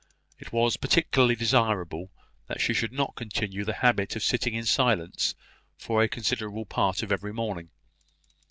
It was particularly desirable that she should not continue the habit of sitting in silence for a considerable part of every morning.